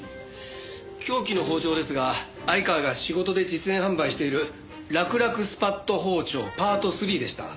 凶器の包丁ですが相川が仕事で実演販売しているらくらくスパッと包丁パート３でした。